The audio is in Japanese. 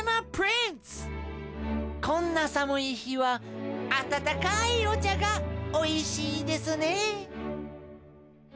こんなさむい日はあたたかいおちゃがおいしいですね。